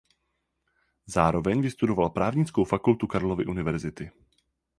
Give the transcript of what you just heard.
Zároveň vystudoval právnickou fakultu Karlovy univerzity.